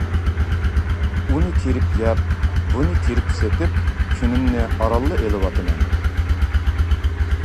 ئۇنى تىرىپ يەپ، بۇنى تىرىپ سېتىپ كۈنۈمنى ئارانلا ئېلىۋاتىمەن.